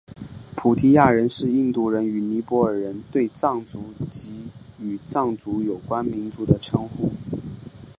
菩提亚人是印度人与尼泊尔人对藏族及与藏族有关民族的称呼。